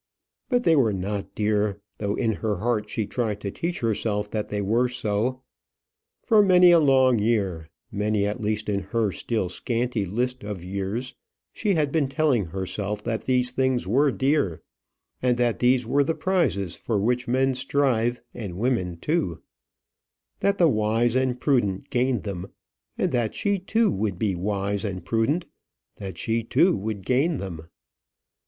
But they were not dear, though in her heart she tried to teach herself that they were so. For many a long year many at least in her still scanty list of years she had been telling herself that these things were dear; that these were the prizes for which men strive and women too; that the wise and prudent gained them; and that she too would be wise and prudent, that she too would gain them.